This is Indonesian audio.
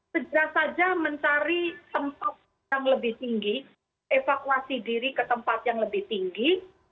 segera saja mencari tempat yang lebih tinggi evakuasi diri ke tempat yang lebih tinggi